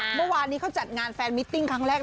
เมื่อวานนี้เขาจัดงานแฟนมิตติ้งครั้งแรก